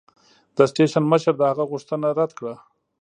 د سټېشن مشر د هغه غوښتنه رد کړه.